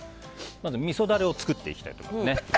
まず、みそダレを作っていきたいと思います。